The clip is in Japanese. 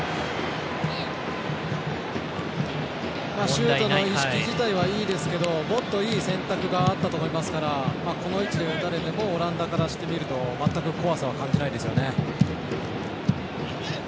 シュートの意識自体はいいですけどもっといい選択があったと思いますからオランダからしてみると全く怖さは感じないですよね。